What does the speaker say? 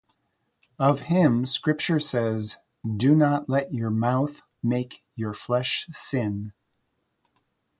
Of him scripture says: "Do not let your mouth make your flesh sin".